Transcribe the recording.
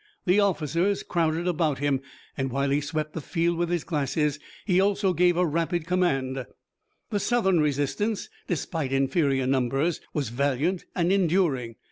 The officers crowded about him, and, while he swept the field with his glasses, he also gave a rapid command. The Southern resistance, despite inferior numbers, was valiant and enduring.